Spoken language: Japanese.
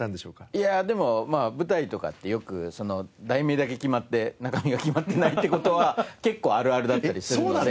いやあでもまあ舞台とかってよく題名だけ決まって中身が決まってないって事は結構あるあるだったりするので。